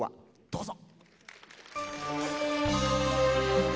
どうぞ。